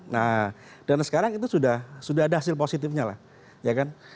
nah dan sekarang itu sudah ada hasil positifnya lah ya kan